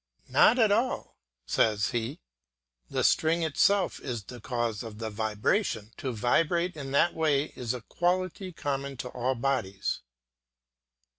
"Not at all," says he, "the string itself is the cause of the vibration; to vibrate in that way is a quality common to all bodies."